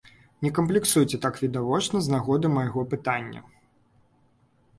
Не камплексуйце так відавочна з нагоды майго пытання.